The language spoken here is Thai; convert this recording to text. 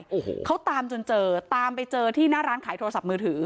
โอ้โหเขาตามจนเจอตามไปเจอที่หน้าร้านขายโทรศัพท์มือถือ